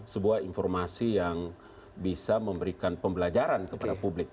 sebuah informasi yang bisa memberikan pembelajaran kepada publik